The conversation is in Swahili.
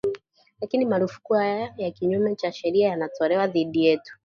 lakini marufuku haya ya kinyume cha sheria yanatolewa dhidi yetu